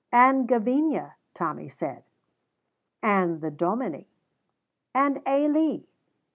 "And Gavinia," Tommy said, "and the Dominie." "And Ailie."